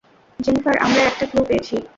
Jennifer, আমরা একটা clue পেয়েছি।